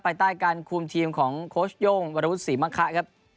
ใต้การคุมทีมของโค้ชโย่งวรวุฒิศรีมะคะครับ